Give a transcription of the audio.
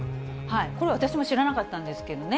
これ、私も知らなかったんですけどね。